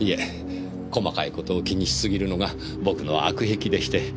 細かい事を気にしすぎるのが僕の悪癖でして。